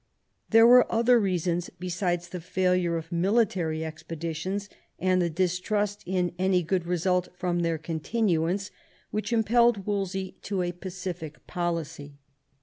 There were other reasons besides the failure of military expeditions, and the distrust in any good result from their continu ance, which impelled Wolsey to a pacific policy.